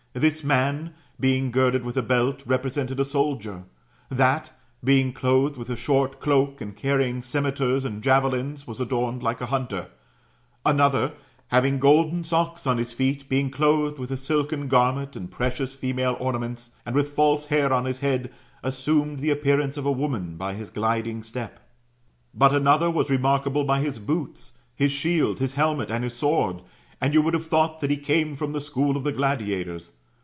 This man being girded with a belt, represented a soldier ; that, being clothed with a short cloak, and carrying cimeters and javelins, was adorned like a hunter. Another, having golden socks on his feet, being clothed with a silken garment and precious female ornaments, and with false hair on his head, as sumed the appearance of a woman by his gliding step. But another was remarkable by his boots, his shield, his helmet, and his sword, and you would have thought that he came from the school of the gladiators.